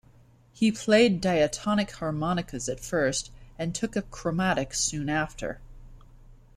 He played diatonic harmonicas at first, and took up chromatic soon after.